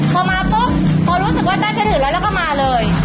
พอมาปุ๊บพอรู้สึกว่าน่าจะดื่มแล้วแล้วก็มาเลย